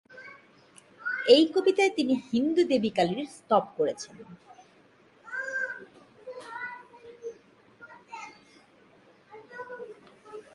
এই কবিতায় তিনি হিন্দু দেবী কালীর স্তব করেছেন।